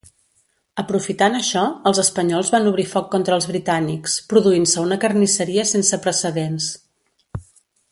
Aprofitant això, els espanyols van obrir foc contra els britànics, produint-se una carnisseria sense precedents.